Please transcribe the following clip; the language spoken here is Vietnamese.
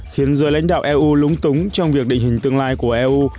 khiến giới lãnh đạo eu lúng túng trong việc định hình tương lai của eu